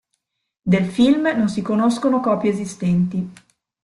Del film non si conoscono copie esistenti.